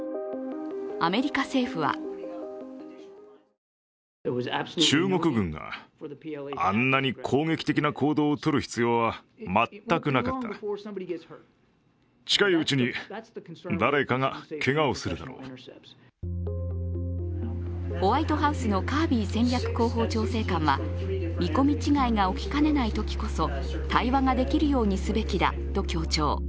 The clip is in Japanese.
アメリカ政府はホワイトハウスのカービー戦略広報調整官は見込み違いが起きかねないときこそ対話ができるようにすべきだと強調。